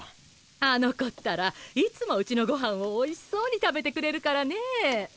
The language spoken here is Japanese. あの子ったらいつもうちのごはんをおいしそうに食べてくれるからねぇ。